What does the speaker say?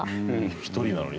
１人なのに？